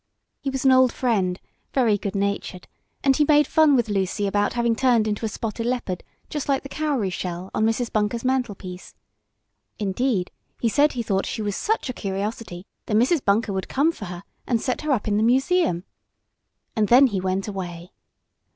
He was an old friend, very good natured, and he made fun with Lucy about having turned into a spotted leopard, just like the cowry shell on Mrs. Bunker's mantelpiece. Indeed, he said he thought she was such a curiosity that Mrs. Bunker would come for her and set her up in the museum, and then he went away.